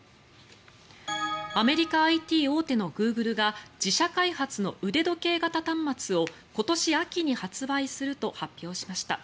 アメリカＩＴ大手のグーグルが自社開発の腕時計型端末を今年秋に発売すると発表しました。